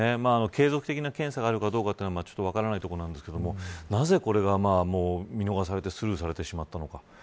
継続的な検査があるかどうか分からないところですがなぜ、これが見逃されてスルーされてしまったのか。